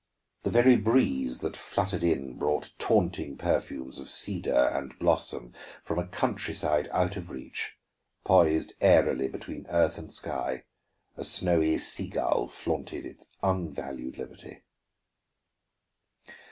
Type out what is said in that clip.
The very breeze that fluttered in brought taunting perfumes of cedar and blossom from a country side out of reach; poised airily between earth and sky, a snowy sea gull flaunted its unvalued liberty.